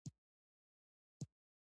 د پښتو خدمت علمي کار دی.